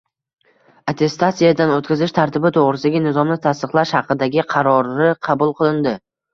Attestatsiyadan o‘tkazish tartibi to‘g‘risidagi nizomni tasdiqlash haqida”gi qarori qabul qilindi.